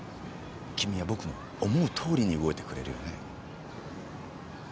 君は僕の思うとおりに動いてくれるよね。